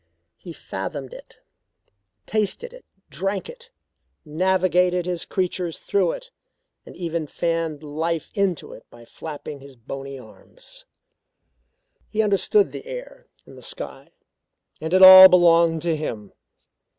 He fathomed it, tasted it, drank it, navigated his creatures through it, and even fanned life into it by flapping his bony arms. He understood the air and the sky, and it all belonged to him.